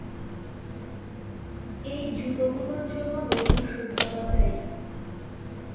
এই জুতোগুলোর জন্য নতুন সুকতলা চাই।